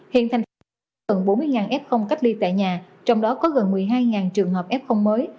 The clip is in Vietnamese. hiện thành phố có gần bốn mươi f ly tại nhà trong đó có gần một mươi hai trường hợp f mới